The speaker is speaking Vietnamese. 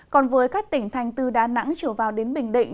còn với các tỉnh thành từ đà nẵng trở vào đến bình định